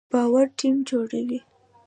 باور ټیم جوړوي